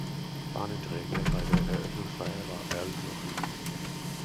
Fahnenträger bei der Eröffnungsfeier war Al Jochim.